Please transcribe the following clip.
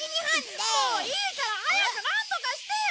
もういいから早くなんとかしてよ！